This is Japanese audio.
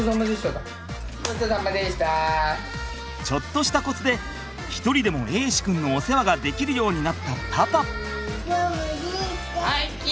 ちょっとしたコツで一人でも瑛志くんのお世話ができるようになったパパ。